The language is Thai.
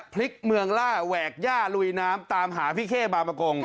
พลิกเมืองล่าแหวกย่าลุยน้ำตามหาพี่เข้บางประกง